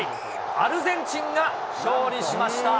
アルゼンチンが勝利しました。